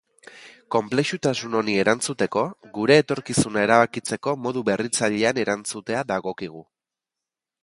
Konplexutasun honi erantzuteko, gure etorkizuna erabakitzeko modu berritzailean erantzutea dagokigu.